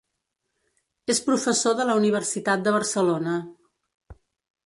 És professor de la Universitat de Barcelona.